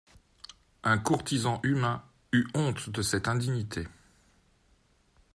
Un courtisan humain eut honte de cette indignité.